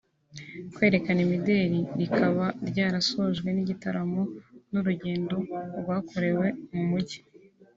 kwerekana imideli rikaba ryarasojwe n’igitaramo n’urugendo rwakorewe mu Mujyi